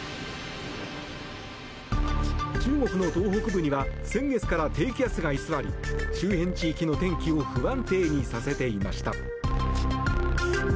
中国の東北部には先月から低気圧が居座り周辺地域の天気を不安定にさせていました。